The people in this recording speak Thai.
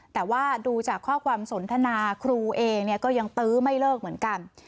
แต่ว่าดูจากข้อความสนทนาครูเองก็ยังตื้อไม่เลิกเหมือนกัน